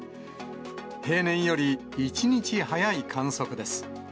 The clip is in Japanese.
平年より１日早い観測です。